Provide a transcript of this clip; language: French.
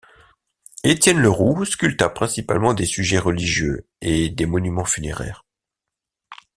Étienne Leroux sculpta principalement des sujets religieux et des monuments funéraires.